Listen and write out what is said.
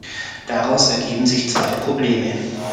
Daraus ergeben sich zwei Probleme.